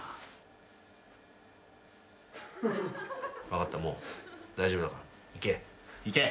分かったもう大丈夫だから行け。